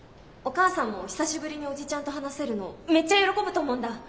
お母さんも久しぶりにおじちゃんと話せるのめっちゃ喜ぶと思うんだ。